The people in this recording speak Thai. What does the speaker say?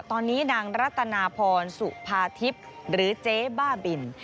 ตอนนี้นางรัตนาพรสุภาทิพย์หรือเจ๊บ้าบิน